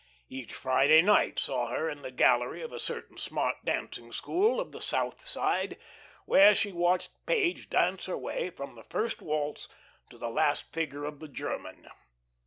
Each Friday night saw her in the gallery of a certain smart dancing school of the south side, where she watched Page dance her way from the "first waltz" to the last figure of the german.